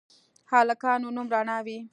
هلکانو نوم رڼا وي